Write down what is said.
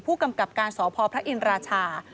ผู้กำกับการสพพระอินราชา